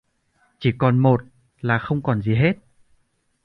Chỉ còn một là không còn gì hết